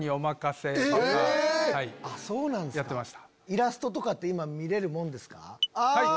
イラストとかって今見れるもんですか？